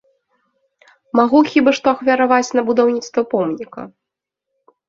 Магу хіба што ахвяраваць на будаўніцтва помніка.